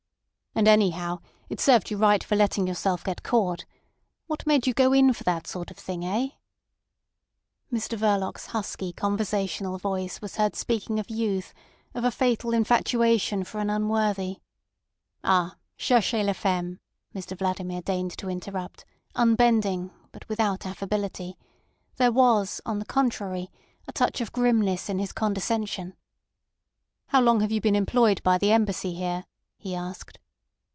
"And, anyhow, it served you right for letting yourself get caught. What made you go in for that sort of thing—eh?" Mr Verloc's husky conversational voice was heard speaking of youth, of a fatal infatuation for an unworthy— "Aha! Cherchez la femme," Mr Vladimir deigned to interrupt, unbending, but without affability; there was, on the contrary, a touch of grimness in his condescension. "How long have you been employed by the Embassy here?" he asked.